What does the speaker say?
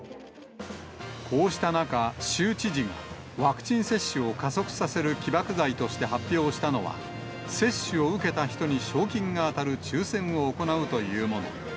こうした中、州知事がワクチン接種を加速させる起爆剤として発表したのは、接種を受けた人に賞金が当たる抽せんを行うというもの。